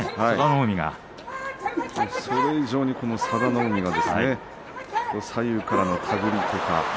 それ以上に佐田の海が左右からの手繰り。